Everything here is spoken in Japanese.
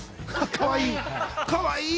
かわいい。